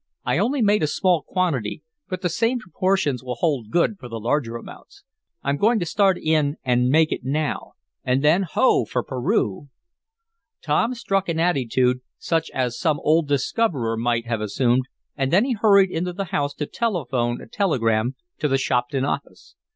I only made a small quantity, but the same proportions will hold good for the larger amounts. I'm going to start in and make it now. And then Ho! for Peru!" Tom struck an attitude, such as some old discoverer might have assumed, and then he hurried into the house to telephone a telegram to the Shopton office.